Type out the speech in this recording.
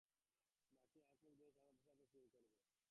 নাকি হাত-মুখ ধুয়ে আপনার সামনে বসার পর থেকে শুরু হবে?